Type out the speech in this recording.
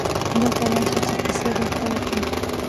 دلته راسه چي کیسه درته وکم.